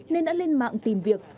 nên đã lên mạng tìm việc